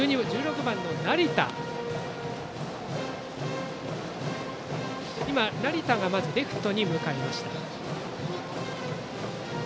１６番の成田がまずレフトに向かいました。